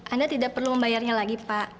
anda tidak perlu membayarnya lagi pak